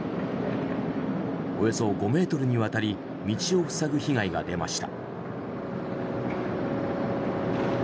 およそ５ｍにわたり道を塞ぐ被害が出ました。